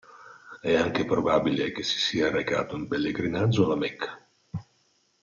È anche probabile che si sia recato in pellegrinaggio a La Mecca.